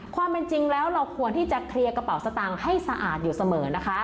ความเป็นจริงแล้วเราควรที่จะเคลียร์กระเป๋าสตางค์ให้สะอาดอยู่เสมอนะคะ